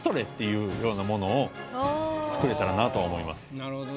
いうような物を作れたらなとは思います。